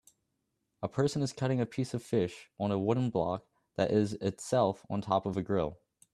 A person is cutting a piece of fish on a wooden block that is itself on top of a grill